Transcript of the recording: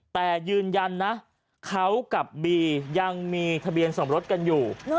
แต่ยืนยันนะเขากับบียังมีทะเบียนสมรสกันอยู่